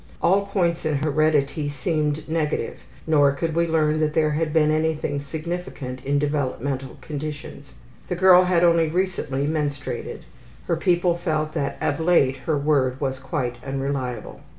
All points in heredity seemed negative, nor could we learn that there had been anything significant in developmental conditions. The girl had only recently menstruated. Her people felt that of late her word was quite unreliable.